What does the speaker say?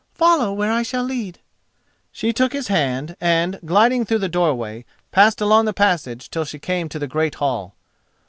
Follow where I shall lead." She took his hand and, gliding through the doorway, passed along the passage till she came to the great hall.